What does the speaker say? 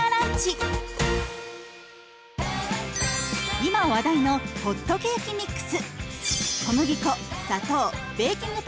今話題のホットケーキミックス。